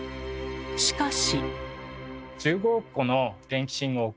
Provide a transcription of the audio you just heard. しかし。